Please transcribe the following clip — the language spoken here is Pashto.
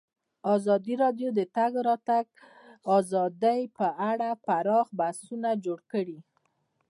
ازادي راډیو د د تګ راتګ ازادي په اړه پراخ بحثونه جوړ کړي.